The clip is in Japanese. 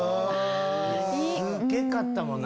すげかったもんな